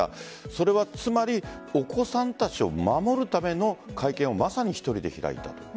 それは、つまりお子さんたちを守るための会見を、まさに１人で開いたと。